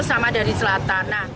sama dari selatan